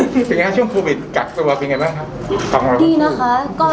เป็นยังไงครับช่วงโควิดกักตัวเป็นยังไงบ้างครับ